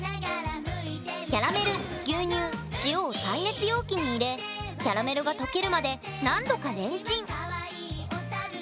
キャラメル牛乳塩を耐熱容器に入れキャラメルが溶けるまで何度かレンチン！